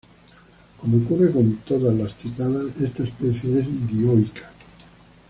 Como ocurre con todas las cícadas esta especie es dioica.